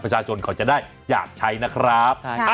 ประชาชนเขาจะได้อยากใช้นะครับ